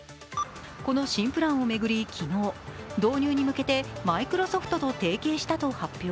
この新プランを巡り昨日導入に向けてマイクロソフトと提携したと発表。